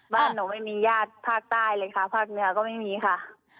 บ้านหนูไม่มีญาติภาคใต้เลยค่ะภาคเหนือก็ไม่มีค่ะ